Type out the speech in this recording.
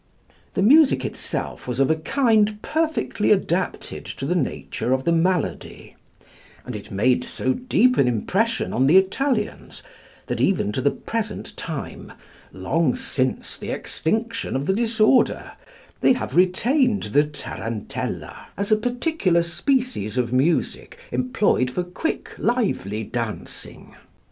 The music itself was of a kind perfectly adapted to the nature of the malady, and it made so deep an impression on the Italians, that even to the present time, long since the extinction of the disorder, they have retained the tarantella, as a particular species of music employed for quick, lively dancing.